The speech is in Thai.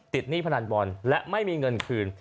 หนี้พนันบอลและไม่มีเงินคืน